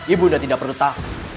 ibu udah tidak perlu tahu